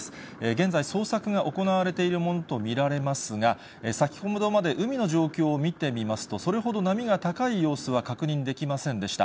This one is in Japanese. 現在、捜索が行われているものと見られますが、先ほどまで海の状況を見てみますと、それほど波が高い様子は確認できませんでした。